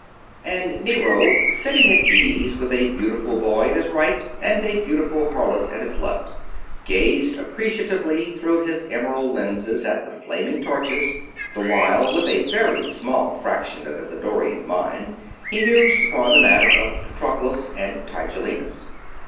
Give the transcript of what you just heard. And Nero, sitting at ease with a beautiful boy at his right and a beautiful harlot at his left, gazed appreciatively through his emerald lens at the flaming torches; the while, with a very small fraction of his Eddorian mind, he mused upon the matter of Patroclus and Tigellinus.